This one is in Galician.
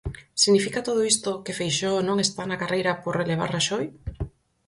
Significa todo isto que Feixóo non está na carreira por relevar Raxoi?